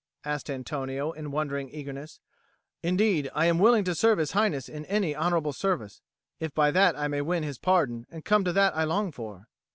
asked Antonio in wondering eagerness. "Indeed I am willing to serve His Highness in any honourable service, if by that I may win his pardon and come to that I long for."